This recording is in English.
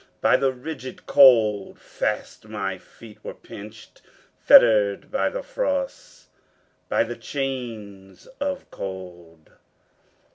By the rigid cold Fast my feet were pinched, fettered by the frost, By the chains of cold.